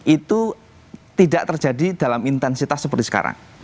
itu tidak terjadi dalam intensitas seperti sekarang